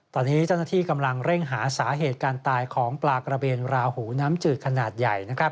ตอนนี้เจ้าหน้าที่กำลังเร่งหาสาเหตุการตายของปลากระเบนราหูน้ำจืดขนาดใหญ่